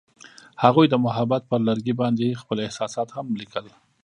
هغوی د محبت پر لرګي باندې خپل احساسات هم لیکل.